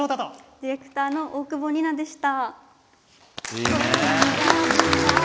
ディレクターの大久保丹奈でした。